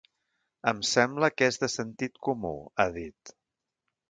Em sembla que és de sentit comú, ha dit.